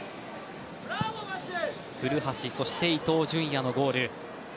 古橋、そして伊東純也のゴール。